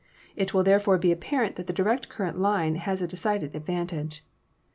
It will therefore be apparent that the direct current line has a decided advan tage.